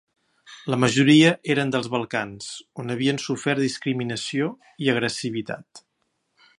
La majoria eren dels Balcans, on havien sofert discriminació i agressivitat.